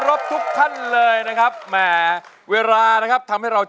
รายการต่อไปนี้เป็นรายการทั่วไปสามารถรับชมได้ทุกวัย